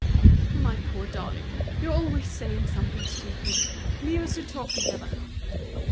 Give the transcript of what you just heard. "My poor darling, you're always saying something stupid. Leave us to talk together."